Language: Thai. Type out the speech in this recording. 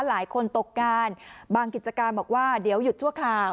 หลายคนตกงานบางกิจการบอกว่าเดี๋ยวหยุดชั่วคราว